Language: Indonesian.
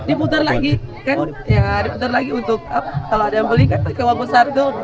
diputar lagi kan ya diputar lagi untuk kalau ada yang beli kan kawah besar tuh